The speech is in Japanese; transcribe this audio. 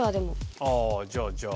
あじゃあじゃあ。